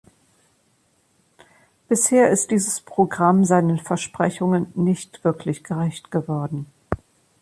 Bisher ist dieses Programm seinen Versprechungen nicht wirklich gerecht geworden.